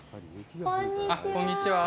こんにちは。